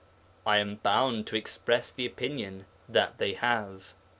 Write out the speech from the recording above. I am bound to express the opinion that they have.